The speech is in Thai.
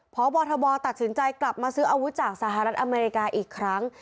พบทบตัดสินใจกลับมาซื้ออาวุธจากสหรัฐอเมริกาอีกครั้ง